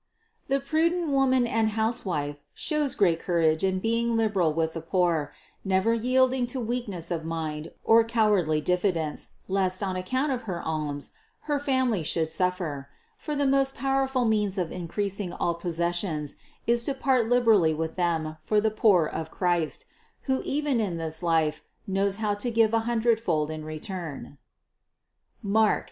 The prudent woman and housewife shows great courage in being liberal with the poor, never yielding to weakness of mind, or cowardly diffidence, lest, on account of her alms, her family should suffer; for the most powerful means of increasing all possessions is to part liberally with them for the poor of Christ, who even in this life knows how to give a hundredfold in return (Marc.